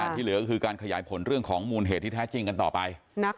ที่เหลือก็คือการขยายผลเรื่องของมูลเหตุที่แท้จริงกันต่อไป